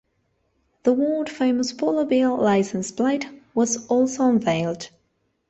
The world-famous Polar Bear licence plate was also unveiled.